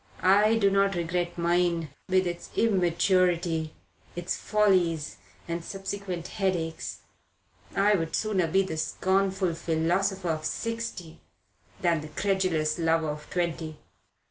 I do not regret mine, with its immaturity, its follies and subsequent headaches. I would sooner be the scornful philosopher of sixty than the credulous lover of twenty."